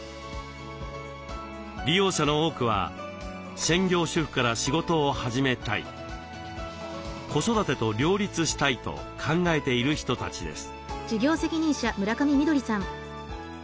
利用者の多くは「専業主婦から仕事を始めたい」「子育てと両立したい」と考えている人たちです。